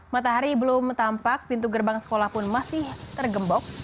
matahari belum tampak pintu gerbang sekolah pun masih tergembok